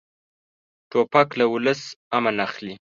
توپک له ولس امن اخلي.